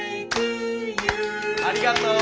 ありがとう！